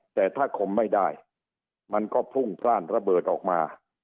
แต่ถ้าคมไม่ได้มันก็พุ่งพลาดระเบิดออกมา